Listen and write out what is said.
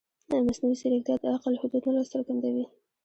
ایا مصنوعي ځیرکتیا د عقل حدود نه راڅرګندوي؟